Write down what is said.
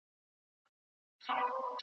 ایا ستا په زړه کي د یوې نوې بریا مننه سته؟